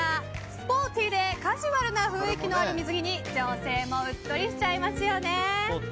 スポーティーでカジュアルな雰囲気のある水着に女性もうっとりしちゃいますよね。